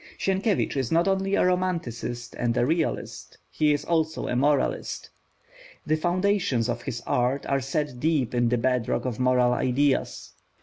Sienkiewicz is not only a Romanticist and a Realist he is also a Moralist. The foundations of his art are set deep in the bed rock of moral ideas.